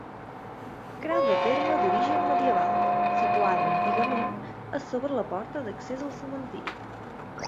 Creu de terme d'origen medieval, situada antigament a sobre la porta d'accés al cementiri.